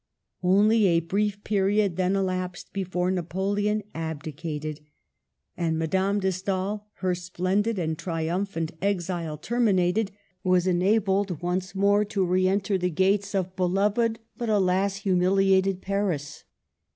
Only a brief period then elapsed be fore Napoleon abdicated, and Madame de Stael, her splendid and triumphant exile terminated, was enabled once more to re enter the gates of beloved but, alas ! humiliated Paris.